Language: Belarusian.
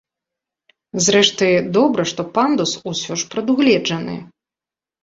Зрэшты, добра, што пандус усё ж прадугледжаны.